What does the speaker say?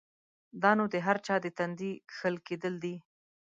دا نو د هر چا د تندي کښل کېدل دی؛